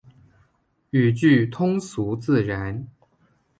语句通俗自然